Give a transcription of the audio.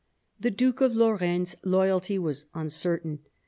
The Duke of Lorraine's loyalty was uncertain.